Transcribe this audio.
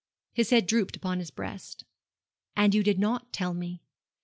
His head drooped upon his breast. 'And you did not tell me.